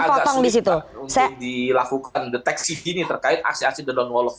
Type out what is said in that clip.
agak agak sulit untuk dilakukan deteksi gini terkait aksi aksi the don't walk